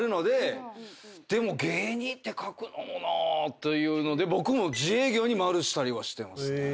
でも芸人って書くのもなというので僕も自営業に丸したりはしてますね。